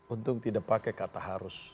untung tidak pakai kata harus